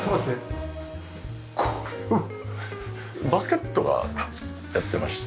バスケットがやってまして。